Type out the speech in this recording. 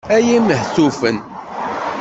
Ay imehtufen!